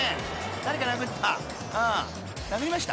誰か殴った。